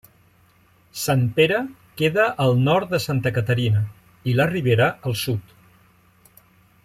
Sant Pere queda al nord de Santa Caterina i la Ribera al sud.